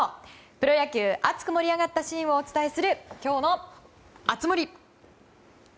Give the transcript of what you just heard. プロ野球熱く盛り上がったシーンをお伝えする今日の熱盛！